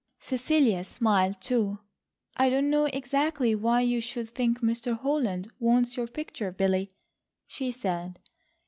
Cecilia smiled, too, "I don't know exactly why you should think Mr. Holland wants your picture, Billy," she said.